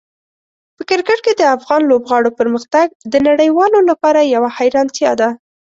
په کرکټ کې د افغان لوبغاړو پرمختګ د نړیوالو لپاره یوه حیرانتیا ده.